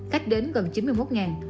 khách đến gần chín mươi một